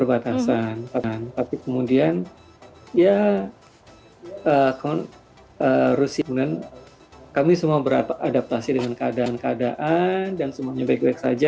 akun rusinan kami semua berapa adaptasi dengan keadaan keadaan dan semuanya baik baik saja